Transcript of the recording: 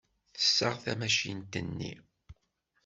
Tessaɣ tamacint-nni.